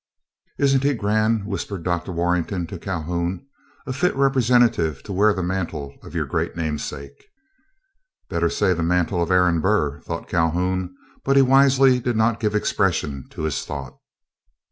"Isn't he grand," whispered Dr. Warrenton to Calhoun. "A fit representative to wear the mantle of your great namesake." "Better say the mantle of Aaron Burr," thought Calhoun, but he wisely did not give expression to his thought.